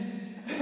え？